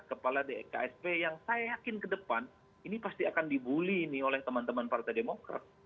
kepala ksp yang saya yakin ke depan ini pasti akan dibully nih oleh teman teman partai demokrat